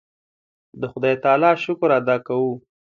د خدای تعالی شکر ادا کوو.